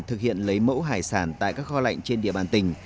thực hiện lấy mẫu hải sản tại các kho lạnh trên địa bàn tỉnh